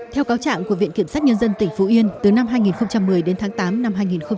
theo cáo trạng của viện kiểm sát nhân dân tỉnh phú yên từ năm hai nghìn một mươi đến tháng tám năm hai nghìn một mươi bảy